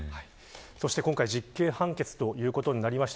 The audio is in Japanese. そして今回実刑判決ということになりました。